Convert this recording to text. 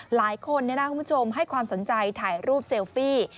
หลายคนคุณผู้ชมให้ความสนใจถ่ายรูปเซลฟี่